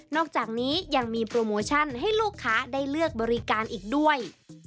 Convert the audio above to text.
อกจากนี้ยังมีโปรโมชั่นให้ลูกค้าได้เลือกบริการอีกด้วย